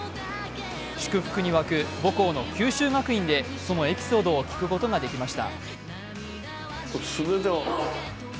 祝福に沸く母校の九州学院でそのエピソードを聞くことができました。